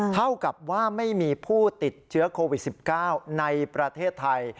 เท่ากับว่าไม่มีผู้ติดเชื้อโควิด๑๙ในประเทศไทย